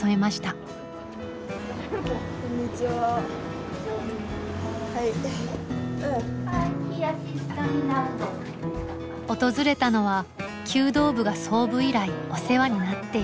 訪れたのは弓道部が創部以来お世話になっているおそば屋さんです。